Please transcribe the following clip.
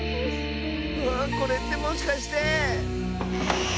ああこれってもしかして。